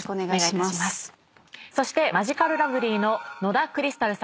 そしてマヂカルラブリーの野田クリスタルさんです。